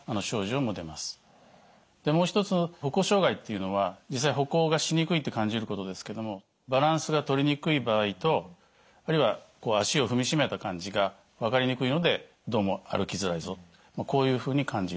でもう一つ歩行障害っていうのは実際歩行がしにくいって感じることですけどもバランスが取りにくい場合とあるいは足を踏みしめた感じが分かりにくいのでどうも歩きづらいぞとこういうふうに感じる。